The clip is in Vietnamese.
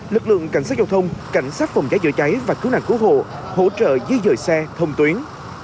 lực lượng cảnh sát giao thông cảnh sát phòng giải dựa cháy và cứu nạn cứu hộ hỗ trợ dưới dời xe thông tuyến